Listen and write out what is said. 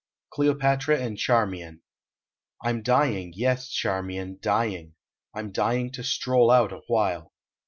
CLEOPATRA AND CHARMIAN I m dying, yes, Charniian, dying, I m dying to stroll out awhile.